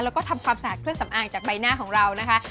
แล้วก็ทำความสะอาดเครื่องสำอางจากใบหน้าของเรานะคะ